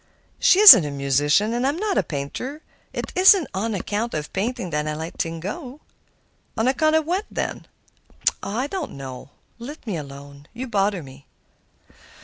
"She isn't a musician, and I'm not a painter. It isn't on account of painting that I let things go." "On account of what, then?" "Oh! I don't know. Let me alone; you bother me."